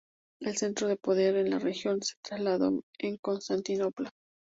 El centro de poder en la región se trasladó a Constantinopla.